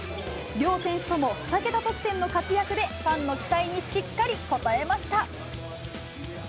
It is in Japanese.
両選手とも２桁得点の活躍で、ファンの期待にしっかり応えました。